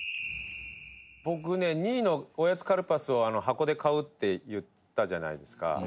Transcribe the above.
僕ね、２位のおやつカルパスを箱で買うって言ったじゃないですか。